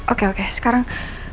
oke oke sekarang